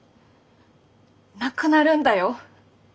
なくなるんだよ。